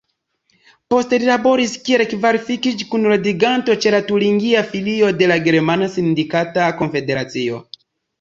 Poste li laboris kiel kvalifikiĝ-kunordiganto ĉe la turingia filio de la Germana sindikata konfederacio.